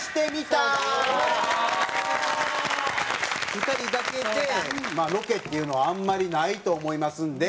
２人だけでまあロケっていうのはあんまりないと思いますんで。